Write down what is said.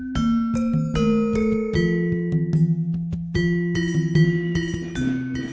kepada mereka mereka tidak berhubung dengan kerajaan jawa